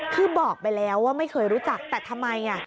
คือบอกไปแล้วว่าไม่เคยรู้จักแต่ทำไม